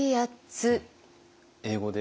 英語で？